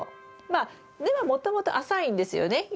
まあ根はもともと浅いんですよね